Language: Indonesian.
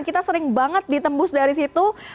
kita sering banget ditembus dari situ